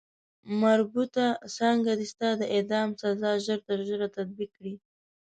مربوطه څانګه دې ستا د اعدام سزا ژر تر ژره تطبیق کړي.